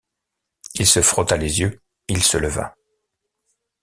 Il se frotta les yeux, il se leva.